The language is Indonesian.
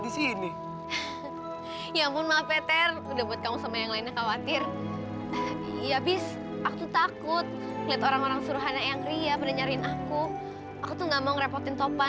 sampai jumpa di video selanjutnya